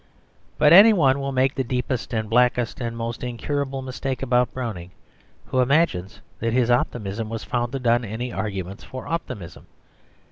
But any one will make the deepest and blackest and most incurable mistake about Browning who imagines that his optimism was founded on any arguments for optimism.